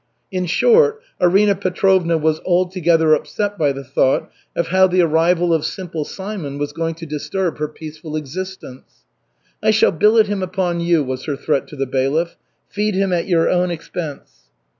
In short, Arina Petrovna was altogether upset by the thought of how the arrival of Simple Simon was going to disturb her peaceful existence. "I shall billet him upon you," was her threat to the bailiff. "Feed him at your own expense."